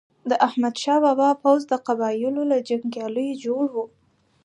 د احمد شاه بابا پوځ د قبایلو له جنګیالیو جوړ و.